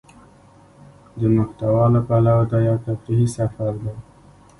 د محتوا له پلوه دا يو تفريحي سفر دى.